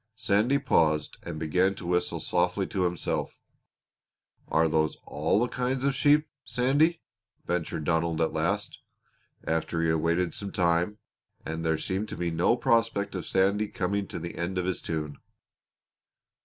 Sandy paused and began to whistle softly to himself. "Are are those all the kinds of sheep, Sandy?" ventured Donald at last, after he had waited for some time and there seemed to be no prospect of Sandy coming to the end of his tune.